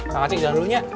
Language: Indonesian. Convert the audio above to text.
kang acing jangan dulunya